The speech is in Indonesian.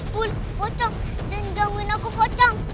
bul pocong dan jangin aku pocong